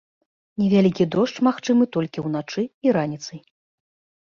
Невялікі дождж магчымы толькі ўначы і раніцай.